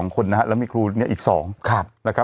๒๒คนนี้ครูและนี่อีก๒ค่ะ